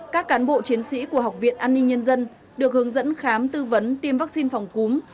các cán bộ chiến sĩ của học viện an ninh nhân dân được hướng dẫn khám tư vấn tiêm vaccine phòng cúm